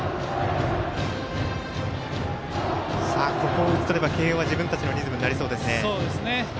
ここを打ちとれば慶応は自分たちのリズムになりそうです。